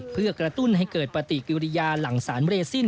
เพื่อกระตุ้นให้เกิดปฏิกิริยาหลังสารเรซิน